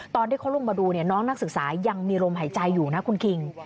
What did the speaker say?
ตอนที่เขาลงมาดูน้องนักศึกษายังมีลมหายใจอยู่นะคุณคิง